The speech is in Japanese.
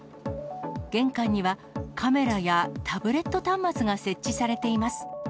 玄関には、カメラやタブレット端末が設置されています。